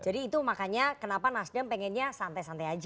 jadi itu makanya kenapa nasdem pengennya santai santai saja